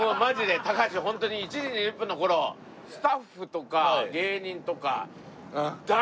高橋ホントに１時２０分の頃スタッフとか芸人とか誰一人。